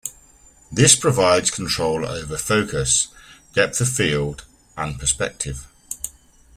This provides control over focus, depth of field, and perspective.